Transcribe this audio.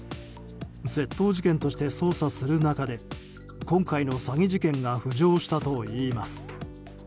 窃盗事件として捜査する中で今回の詐欺事件が浮上したといいます。